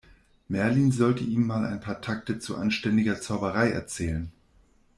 Merlin sollte ihm mal ein paar Takte zu anständiger Zauberei erzählen.